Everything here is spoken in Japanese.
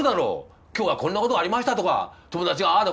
今日はこんな事がありましたとか友達がああだ